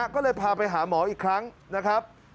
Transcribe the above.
ก็เลยพาไปหาหมออีกครั้งนะครับ